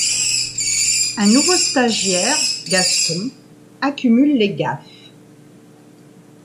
Un nouveau stagiaire, Gaston, accumule les gaffes.